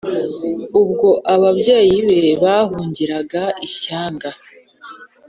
ubwo ababyeyi be bahungiraga ishyanga.